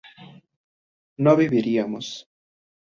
no viviríamos